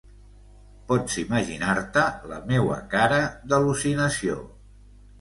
Pots imaginar-te la meua cara d’al·lucinació.